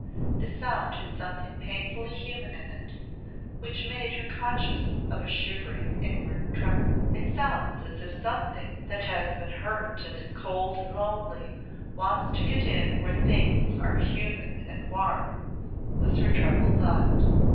The sound had something painfully human in it which made her conscious of a shivering inward tremor. "It sounds as if something that has been hurt and is cold and lonely wants to get in where things are human and warm," was her troubled thought.